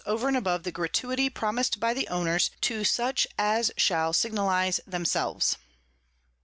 _over and above the Gratuity promis'd by the Owners to such as shall signalize themselves.